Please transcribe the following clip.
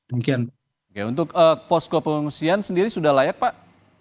oke untuk posko pengungsian sendiri sudah layak pak